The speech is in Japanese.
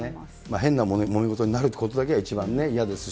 変なもめごとになるということだけは一番ね、嫌ですし、